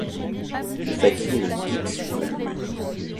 Le faqih est le guide suprême.